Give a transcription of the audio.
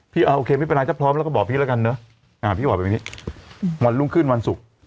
โอเคไม่เป็นไรถ้าพร้อมแล้วก็บอกพี่แล้วกันเนอะพี่บอกแบบนี้วันรุ่งขึ้นวันศุกร์